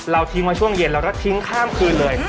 ทิ้งมาช่วงเย็นแล้วก็ทิ้งข้ามคืนเลย